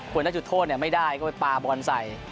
คนที่ได้จุดโทษไม่ได้ก็ไปปลาบอลใส่